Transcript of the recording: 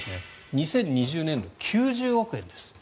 ２０２０年度、９０億円です。